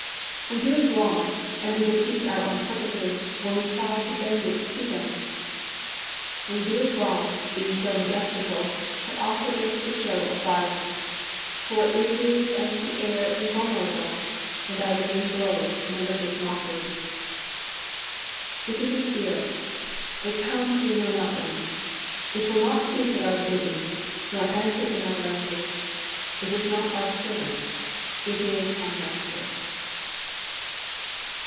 We do it wrong, and we defeat our own purposes when we try to bend it to them: We do it wrong, being so majestical, To offer it the show of violence; For it is as the air invulnerable, And our vain blows malicious mockery. It is a spirit. It comes we know not whence. It will not speak at our bidding, nor answer in our language. It is not our servant; it is our master.